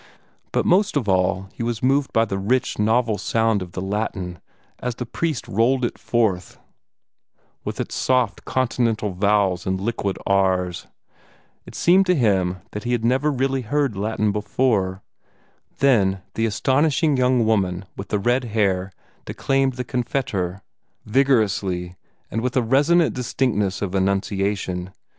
But most of all he was moved by the rich, novel sound of the Latin as the priest rolled it forth in the ASPERGES ME, DOMINE, and MISEREATUR VESTRI OMNIPOTENS DEUS, with its soft Continental vowels and liquid R's. It seemed to him that he had never really heard Latin before. Then the astonishing young woman with the red hair declaimed the CONFITEOR, vigorously and with a resonant distinctness of enunciation.